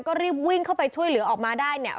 ก็รีบวิ่งเข้าไปช่วยเหลือออกมาได้เนี่ย